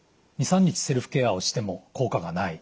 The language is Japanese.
２３日セルフケアをしても効果がない。